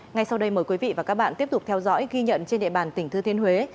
ngay sau đây mời quý vị và các bạn tiếp tục theo dõi ghi nhận trên địa bàn tỉnh thừa thiên huế